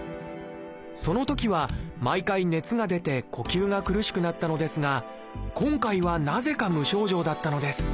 そのときは毎回熱が出て呼吸が苦しくなったのですが今回はなぜか無症状だったのです。